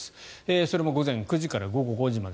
それも午前９時から午後５時まで。